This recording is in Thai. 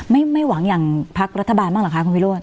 ไม่หวังอย่างพักรัฐบาลบ้างเหรอคะคุณวิโรธ